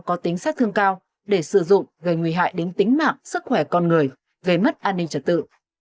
có tính sát thương cao để sử dụng gây nguy hại đến tính mạng sức khỏe con người gây mất an ninh trật tự